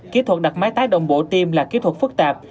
kỹ thuật đặt máy tái đồng bộ tim là kỹ thuật phức tạp